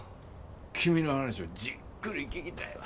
君の話をじっくり聞きたいわ。